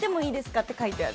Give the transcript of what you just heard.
って書いてある。